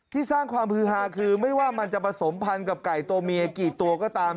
สร้างความฮือฮาคือไม่ว่ามันจะผสมพันธ์กับไก่ตัวเมียกี่ตัวก็ตาม